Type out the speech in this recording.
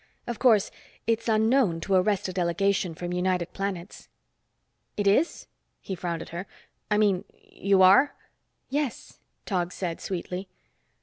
Of course, it's unknown to arrest a delegation from United Planets." "It is?" he frowned at her. "I mean, you are?" "Yes," Tog said sweetly.